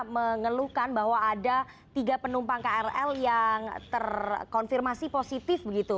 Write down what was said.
mengeluhkan bahwa ada tiga penumpang krl yang terkonfirmasi positif begitu